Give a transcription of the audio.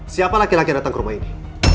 siapa laki laki yang datang ke rumah ini